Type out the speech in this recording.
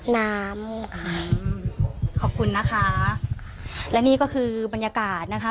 น้ำอืมขอบคุณนะคะและนี่ก็คือบรรยากาศนะคะ